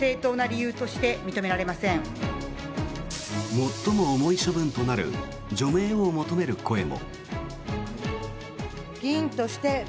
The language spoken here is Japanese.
最も重い処分となる除名を求める声も。